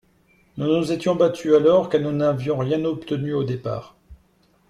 Nous nous étions battus alors, car nous n’avions rien obtenu au départ.